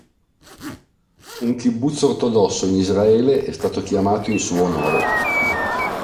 Un kibbutz ortodosso in Israele è stato chiamato in suo onore.